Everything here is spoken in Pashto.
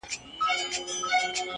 • لکه په دښت کي غوړېدلی ګلاب -